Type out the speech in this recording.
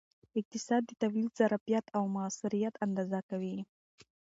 اقتصاد د تولید ظرفیت او موثریت اندازه کوي.